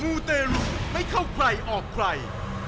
ูเตรุไม่เข้าใครออกใคร